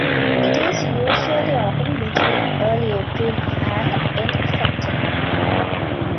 It is usually open between early April and end September.